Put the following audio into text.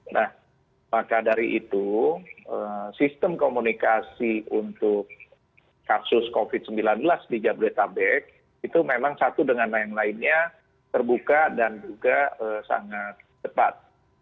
nah maka dari itu sistem komunikasi untuk kasus covid sembilan belas di jabodetabek itu memang satu dengan yang lainnya terbuka dan juga sangat cepat